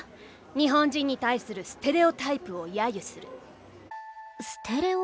日本人に対する「ステレオタイプ」を揶揄する。